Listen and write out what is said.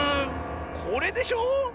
これでしょ！